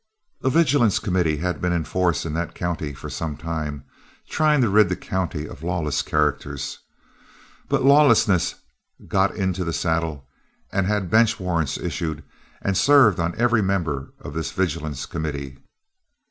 "A vigilance committee had been in force in that county for some time, trying to rid the country of lawless characters. But lawlessness got into the saddle, and had bench warrants issued and served on every member of this vigilance committee.